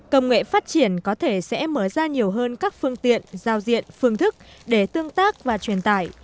công nghệ phát triển có thể sẽ mở ra nhiều hơn các phương tiện giao diện phương thức để tương tác và truyền tải